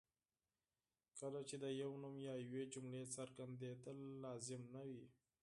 کله چې د یو نوم یا یوې جملې څرګندېدل لازم نه وي.